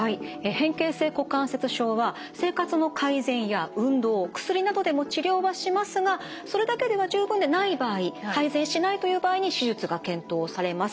変形性股関節症は生活の改善や運動薬などでも治療はしますがそれだけでは十分でない場合改善しないという場合に手術が検討されます。